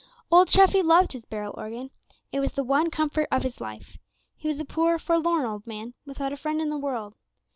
Old Treffy loved his barrel organ; it was the one comfort of his life. He was a poor, forlorn old man, without a friend in the world.